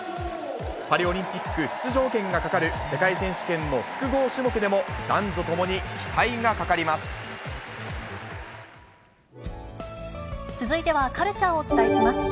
パリオリンピック出場権がかかる世界選手権の複合種目でも男女と続いてはカルチャーをお伝えします。